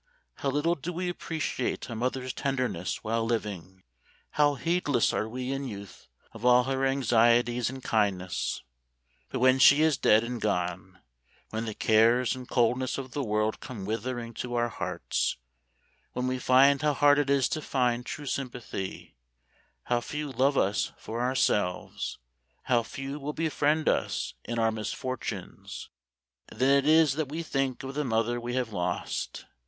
how little do we appreciate a mother's tenderness while living ! How heedless are we in youth of all her anxieties and kindness ! But when she is dead and gone, when the cares and coldness of the world come withering to our hearts, when we find how hard it is to find true sympathy — how few love us for ourselves, how few will befriend us in our misfortunes — then it is that we think of the mother we have lost.